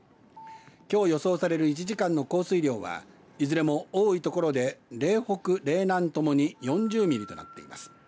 きょう予想される１時間の降水量はいずれも多い所で嶺北、嶺南ともに４０ミリとなっています。